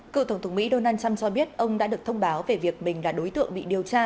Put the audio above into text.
cựu tổng thống mỹ donald trump cho biết ông đã được thông báo về việc mình là đối tượng bị điều tra